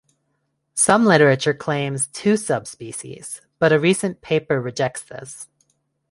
Some literature claims two subspecies, but a recent paper rejects this.